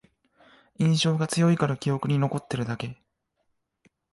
印象が強いから記憶に残ってるだけ